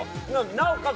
なおかつ